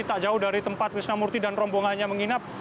tak jauh dari tempat krisna murthy dan rombongannya menginap